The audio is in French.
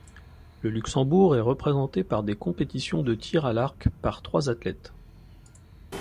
Le Luxembourg est représenté dans les compétitions de tir à l'arc par trois athlètes.